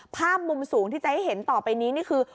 ภาพมุมสูงที่จะให้เห็นต่อไปนี้นี่คือ